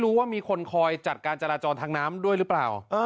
มีคนคอยจัดการจราจรทางน้ำด้วยหรือเปล่า